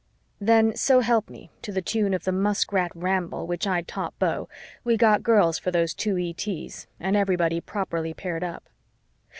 Then, so help me, to the tune of the Muskrat Ramble, which I'd taught Beau, we got girls for those two ETs and everybody properly paired up.